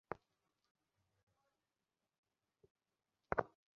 মহাকাশ ভয় হচ্ছে তোমার নিজস্ব একটা অযোগ্যতা।